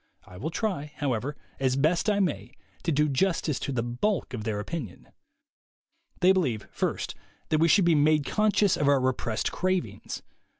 I will try, however, as best I may, to do justice to the bulk of their opinion. They believe, first, that we should be made conscious of our repressed cravings.